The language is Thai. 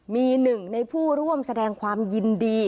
มีหนึ่งในผู้ร่วมแสดงความยินดี